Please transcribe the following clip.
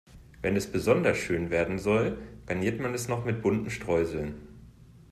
Wenn es besonders schön werden soll, garniert man es noch mit bunten Streuseln.